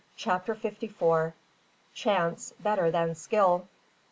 CHAPTER FIFTY FOUR. CHANCE BETTER THAN SKILL.